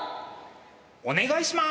お願いします。